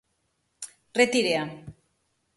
Retírea.